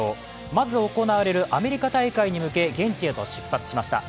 まず行われるアメリカ大会へ向け現地へと出発しました。